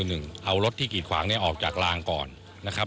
หนึ่งเอารถที่กีดขวางเนี่ยออกจากลางก่อนนะครับ